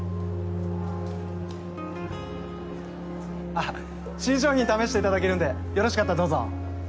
あっ新商品試していただけるんでよろしかったらどうぞ。